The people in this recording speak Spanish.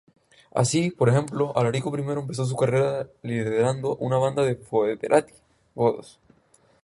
Así, por ejemplo, Alarico I empezó su carrera liderando una banda de "foederati" godos.